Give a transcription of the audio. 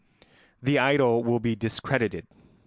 The idol will be discredited.